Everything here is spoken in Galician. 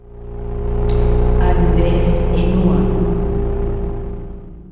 A nudez é nua.